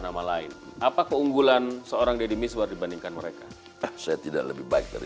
nama lain apa keunggulan seorang deddy miswar dibandingkan mereka saya tidak lebih baik dari